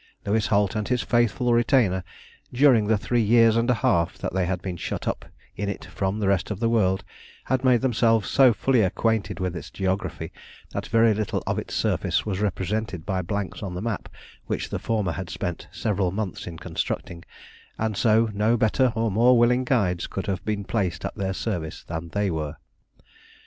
Louis Holt and his faithful retainer, during the three years and a half that they had been shut up in it from the rest of the world, had made themselves so fully acquainted with its geography that very little of its surface was represented by blanks on the map which the former had spent several months in constructing, and so no better or more willing guides could have been placed at their service than they were.